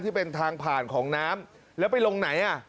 ที่เป็นทางผ่านของน้ำแล้วไปลงไหนอ่ะ